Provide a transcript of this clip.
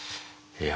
いや。